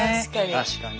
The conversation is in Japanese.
確かに。